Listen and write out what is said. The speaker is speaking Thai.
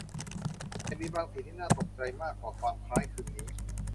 แต่มีบางสิ่งที่น่าตกใจมากกว่าความคล้ายคลึงนี้